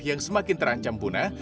yang semakin terancam punah